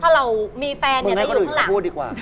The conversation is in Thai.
ถ้าเรามีแฟนเนี่ยจะอยู่ข้างหลัง